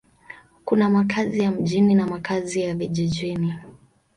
Kuna makazi ya mjini na makazi ya vijijini.